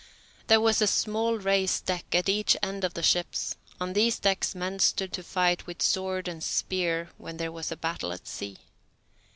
There was a small raised deck at each end of the ships; on these decks men stood to fight with sword and spear when there was a battle at sea.